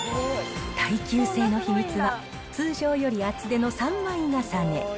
耐久性の秘密は、通常より厚手の３枚重ね。